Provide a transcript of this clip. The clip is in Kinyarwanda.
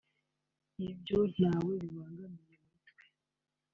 Ibyo nta we bibangamiye muri twe